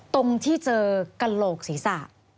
ตรงที่เจอกระโหลกศีรษะ